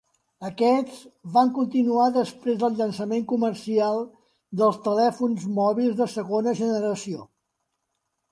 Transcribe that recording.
Aquests van continuar després del llançament comercial dels telèfons mòbils de segona generació.